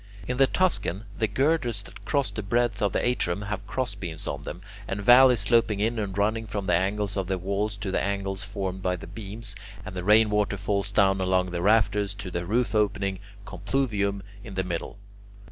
In the Tuscan, the girders that cross the breadth of the atrium have crossbeams on them, and valleys sloping in and running from the angles of the walls to the angles formed by the beams, and the rainwater falls down along the rafters to the roof opening (compluvium) in the middle.